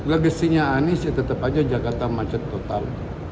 legasinya anies tetap saja jakarta macet total